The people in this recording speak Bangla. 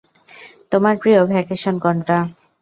তোমার প্রিয় ভ্যাকেশন কোনটা?